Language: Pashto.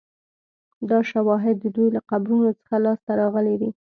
دا شواهد د دوی له قبرونو څخه لاسته راغلي دي